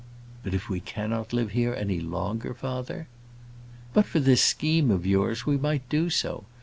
"But if we cannot live here any longer, father?" "But for this scheme of yours, we might do so.